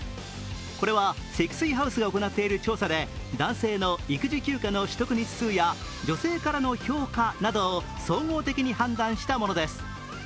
これは積水ハウスが行っている調査で男性の育児休暇の取得日数や女性からの評価などを総合的に判断したものです。